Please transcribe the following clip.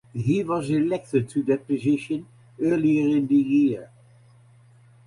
He was elected to that position earlier in the year.